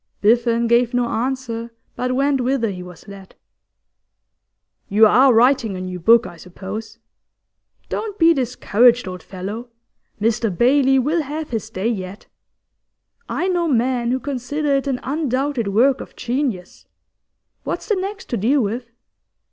Biffen gave no answer, but went whither he was led. 'You are writing a new book, I suppose? Don't be discouraged, old fellow. "Mr Bailey" will have his day yet; I know men who consider it an undoubted work of genius. What's the next to deal with?